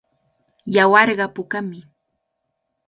Yawarqa pukami.